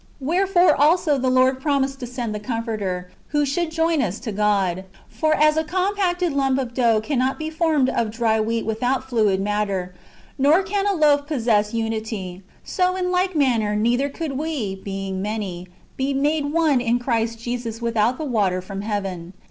Wherefore also the Lord promised to send the Comforter,^ who should join us to God. For as a compacted lump of dough cannot be formed of dry wheat without fluid matter, nor can a loaf possess unity, so, in like manner, neither could we, being many, be made one in Christ Jesus without the water from heaven.